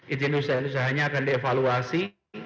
izin usahanya akan dievaluasi